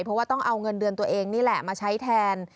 เพราะว่าต้องเอาเงินเดือนตัวเองนี่แหละมาใช้แทน